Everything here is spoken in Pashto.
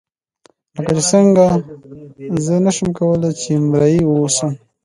لکه څنګه چې زه نشم کولای چې مریی واوسم.